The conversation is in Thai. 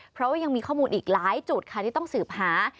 เพราะว่ายังมีข้อมูลอีกหลายจุดค่ะที่ต้องสืบหา